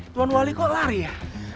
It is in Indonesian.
tuan wali kok lari ya